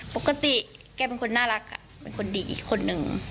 ปกติแกเป็นคนน่ารักเป็นคนดีอีกคนนึง